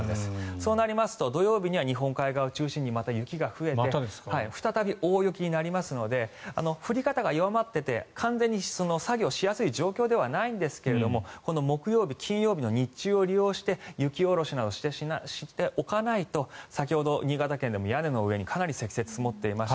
そうなりますと土曜日には日本海側を中心に雪が増えて再び大雪になりますので降り方が弱まっていて完全に作業しやすい状況ではないんですが木曜日、金曜日の日中を利用して雪下ろしなどしておかないと先ほど新潟県でも屋根の上にかなり積雪が積もっていました。